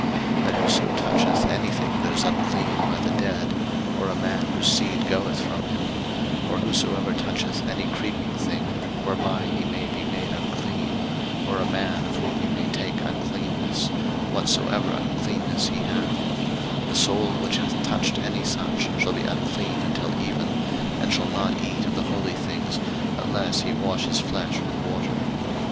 And whoso toucheth any thing that is unclean by the dead, or a man whose seed goeth from him; 03:022:005 Or whosoever toucheth any creeping thing, whereby he may be made unclean, or a man of whom he may take uncleanness, whatsoever uncleanness he hath; 03:022:006 The soul which hath touched any such shall be unclean until even, and shall not eat of the holy things, unless he wash his flesh with water.